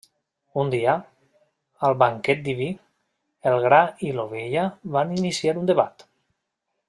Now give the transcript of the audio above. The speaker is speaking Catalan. Un dia, al banquet diví, el gra i l'ovella van iniciar un debat.